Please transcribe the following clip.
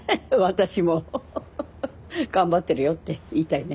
私も頑張ってるよって言いたいね。